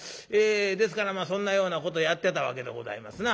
ですからそんなようなことやってたわけでございますな。